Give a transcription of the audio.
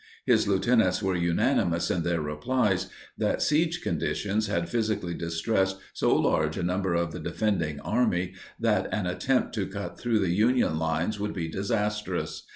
His lieutenants were unanimous in their replies that siege conditions had physically distressed so large a number of the defending army that an attempt to cut through the Union line would be disastrous.